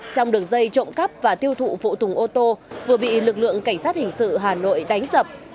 trong đường dây trộm cắp và tiêu thụ phụ tùng ô tô vừa bị lực lượng cảnh sát hình sự hà nội đánh sập